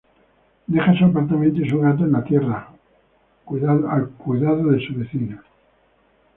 Deja su apartamento y su gato en la Tierra, a cuidado de su vecina.